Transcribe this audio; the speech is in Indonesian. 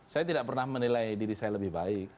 saya tidak pernah menilai diri saya lebih baik